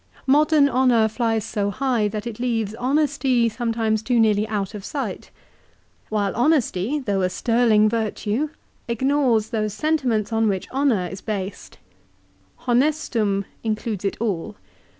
Modern honour flies so high that it leaves honesty sometimes too nearly out of sight. While honesty though a sterling virtue, ignores those sentiments on which honour is based. "Honestum" includes it all.